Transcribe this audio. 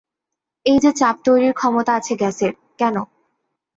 এই যে চাপ তৈরির ক্ষমতা আছে গ্যাসের, কেন?